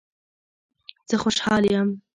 زه خوشحال یم